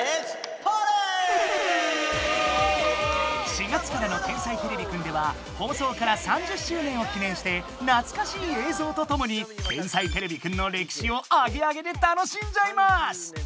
４月からの「天才てれびくん」では放送から３０周年を記念してなつかしい映像とともに「天才てれびくん」のれきしをアゲアゲで楽しんじゃいます！